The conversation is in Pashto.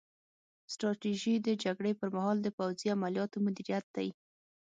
ستراتیژي د جګړې پر مهال د پوځي عملیاتو مدیریت دی